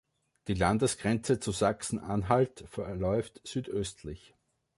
Die Landesgrenze zu Sachsen-Anhalt verläuft südöstlich.